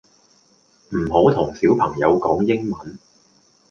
唔好同小朋友講英文